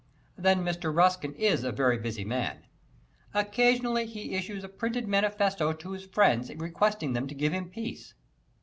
Then Mr. Ruskin is a very busy man. Occasionally he issues a printed manifesto to his friends requesting them to give him peace.